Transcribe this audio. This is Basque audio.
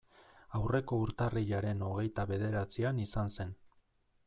Aurreko urtarrilaren hogeita bederatzian izan zen.